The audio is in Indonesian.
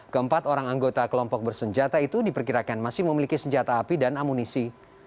keempat orang anggota kelompok bersenjata itu diperkirakan masih memiliki senjata api dan amunisi